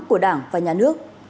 của đảng và nhà nước